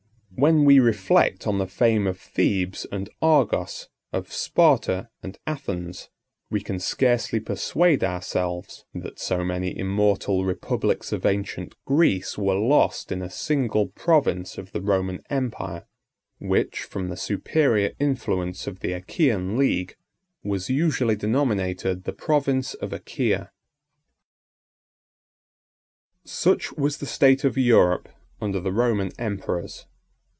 When we reflect on the fame of Thebes and Argos, of Sparta and Athens, we can scarcely persuade ourselves, that so many immortal republics of ancient Greece were lost in a single province of the Roman empire, which, from the superior influence of the Achæan league, was usually denominated the province of Achaia. Such was the state of Europe under the Roman emperors.